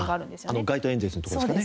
あの街頭演説のところですかね？